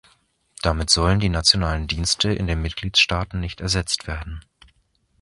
Damit sollen die nationalen Dienste in den Mitgliedstaaten nicht ersetzt werden.